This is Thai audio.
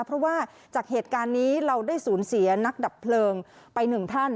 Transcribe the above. เพราะว่าจากเหตุการณ์นี้เราได้สูญเสียนักดับเพลิงไปหนึ่งท่าน